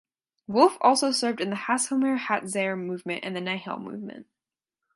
Wolf also served in the Hashomer Hatzair movement and the Nahal movement.